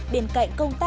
bên cạnh công tác